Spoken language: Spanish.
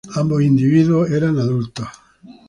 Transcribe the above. Ambos individuos eran adultos.